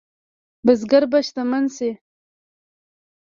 بزګر به شتمن شي؟